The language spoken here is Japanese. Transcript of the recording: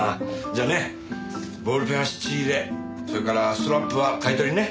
じゃあねボールペンは質入れそれからストラップは買い取りね。